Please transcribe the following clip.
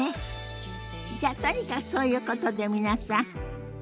じゃあとにかくそういうことで皆さんごきげんよう。